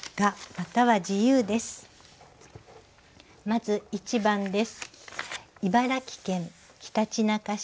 まず１番です。